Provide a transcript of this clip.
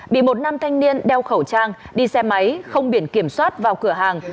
bị một nam thanh niên đeo khẩu trang đi xe máy không biển kiểm soát vào cửa hàng